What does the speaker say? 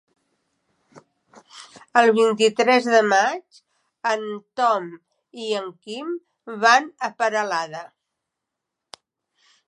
El vint-i-tres de maig en Tom i en Quim van a Peralada.